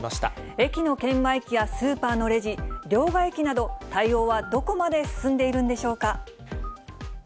駅の券売機やスーパーのレジ、両替機など、対応はどこまで進んでいるんでしょうか。